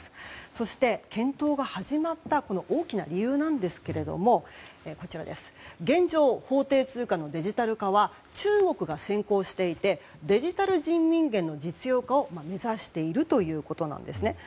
そして、検討が始まった大きな理由なんですけれども現状、法定通貨のデジタル化は中国が先行していてデジタル人民元の実用化を目指しているということなんですね。